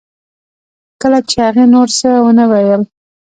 کله چې هغې نور څه ونه ویل